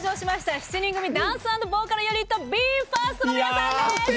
７人組ダンス＆ボーカルユニットＢＥ：ＦＩＲＳＴの皆さんです！